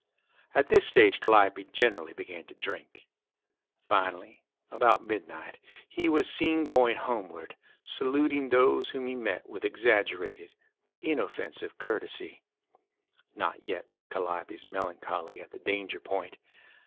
At this stage Calliope generally began to drink. Finally, about midnight, he was seen going homeward, saluting those whom he met with exaggerated but inoffensive courtesy. Not yet was Calliope's melancholy at the danger point.